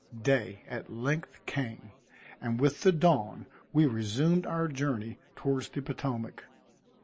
Day at length came, and with the dawn, we resumed our journey towards the Potomac.